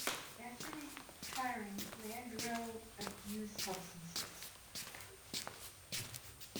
After retiring, Landreaux abused substances.